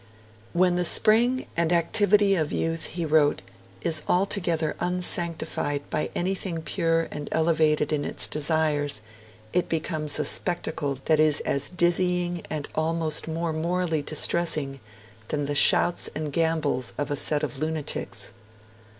'When the spring and activity of youth,' he wrote, 'is altogether unsanctified by anything pure and elevated in its desires, it becomes a spectacle that is as dizzying and almost more morally distressing than the shouts and gambols of a set of lunatics.'